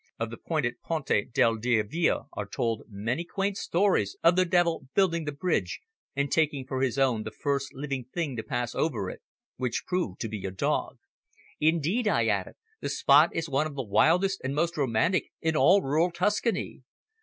Of the pointed Ponte del Diavolo are told many quaint stories of the devil building the bridge and taking for his own the first living thing to pass over it, which proved to be a dog. Indeed," I added, "the spot is one of the wildest and most romantic in all rural Tuscany.